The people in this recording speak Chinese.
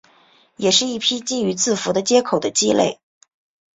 也是一批基于字符的接口的基类。